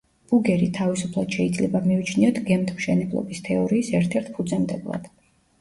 ბუგერი თავისუფლად შეიძლება მივიჩნიოთ გემთმშენებლობის თეორიის ერთ-ერთ ფუძემდებლად.